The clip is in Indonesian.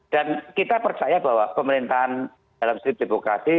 dan kita percaya bahwa pemerintahan dalam sisi demokrasi